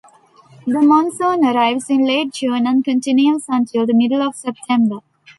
The monsoon arrives in late June and continues until the middle of September.